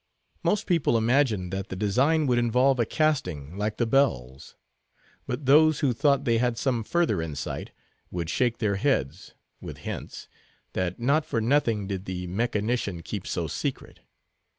Most people imagined that the design would involve a casting like the bells. But those who thought they had some further insight, would shake their heads, with hints, that not for nothing did the mechanician keep so secret.